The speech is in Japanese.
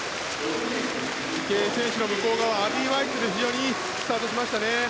池江選手の向こう側アビー・ワイツェルが非常にいいスタートをしましたね。